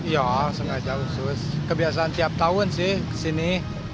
ya sengaja khusus kebiasaan tiap tahun sih kesini